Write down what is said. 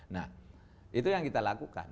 nah itu yang kita lakukan